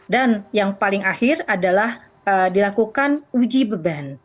dan yang paling akhir adalah dilakukan uji beban